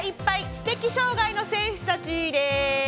知的障がいのある選手たち」です。